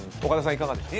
いかがでしたか？